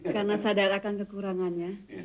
karena sadar akan kekurangannya